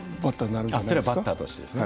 あっそれはバッターとしてですね。